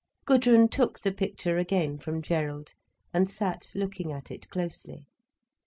Gudrun took the picture again from Gerald, and sat looking at it closely.